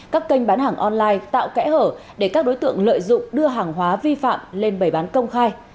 các kênh bán hàng online tạo kẽ hở để các đối tượng lợi dụng đưa hàng hóa vi phạm lên bày bán công khai